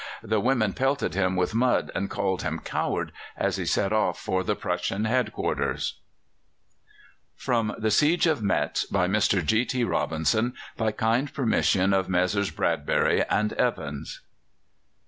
The women pelted him with mud and called him "Coward!" as he set off for the Prussian headquarters. From "The Siege of Metz," by Mr. G. T. Robinson, by kind permission of Messrs. Bradbury and Evans.